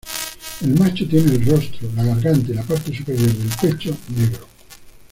El macho tiene el rostro, la garganta y la parte superior del pecho negro.